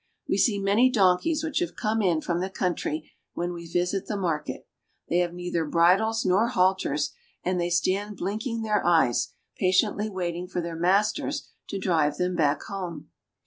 We see many donkeys which have come in from the country when we visit the market. They have neither La Guaira. bridles nor halters, and they stand blinking their eyes, pa tiently waiting for their masters to drive them back home.